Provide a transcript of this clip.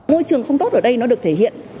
môi trường không tốt ở đây nó được thể hiện